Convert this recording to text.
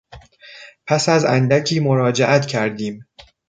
پس از اندکی مراجعت کردیم.